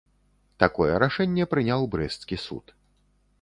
Такое рашэнне прыняў брэсцкі суд.